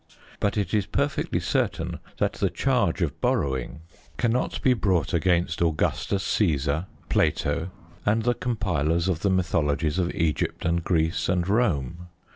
But it is perfectly certain that the change of borrowing cannot be brought against Augustus Caesar, Plato, and the compilers of the mythologies of Egypt and Greece and Rome.